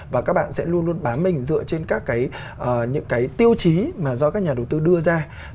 và các bạn sẽ luôn luôn bám mình dựa trên các cái tiêu chí mà do các nhà đầu tư đưa ra